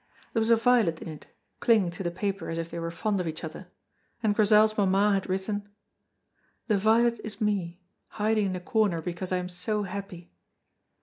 There was a violet in it, clinging to the paper as if they were fond of each other, and Grizel's mamma had written, "The violet is me, hiding in a corner because I am so happy."